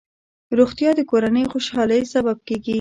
روغتیا د کورنۍ خوشحالۍ سبب کېږي.